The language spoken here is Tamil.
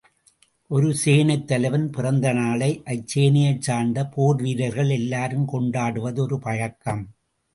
ஒரு சேனைத் தலைவன் பிறந்த நாளை அச்சேனையைச் சார்ந்த போர் வீரர்கள் எல்லாரும் கொண்டாடுவது ஒரு பழக்கம்.